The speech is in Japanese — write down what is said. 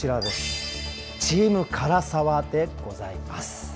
チーム唐澤でございます。